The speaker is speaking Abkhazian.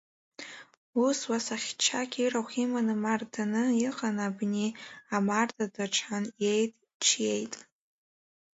Ус уасахьчак ирахә иманы, марданы иҟан, абни амарда даҿан ееит, чееит!